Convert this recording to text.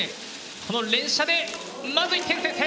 この連射でまず１点先制。